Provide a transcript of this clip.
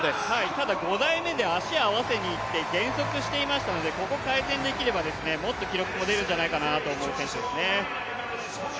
ただ、５台目で足を合わせにいって減速していましたのでここ改善できればもっと記録も出るんじゃないかなと思う選手ですね。